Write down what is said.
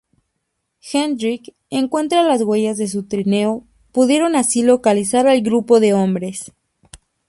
Hendrik encuentra las huellas de su trineo pudiendo así localizar al grupo de hombres.